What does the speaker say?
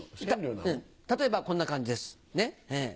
例えばこんな感じです。